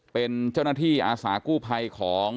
เป็นเจ้าหน้าที่อาสากู้ภัยของ